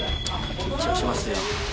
緊張しますよ。